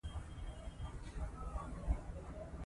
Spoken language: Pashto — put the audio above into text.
دا غر د افغان ماشومانو د لوبو یوه مهمه موضوع ده.